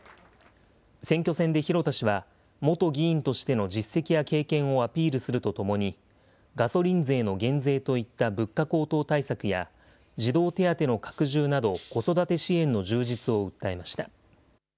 選挙戦で広田氏は、元議員としての実績や経験をアピールするとともに、ガソリン税の減税といった物価高騰対策や、児童手当の拡充など、子育て支援の充実を訴えました。